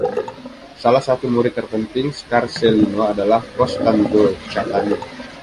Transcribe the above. Salah satu murid terpenting Scarsellino adalah Costanzo Cattani.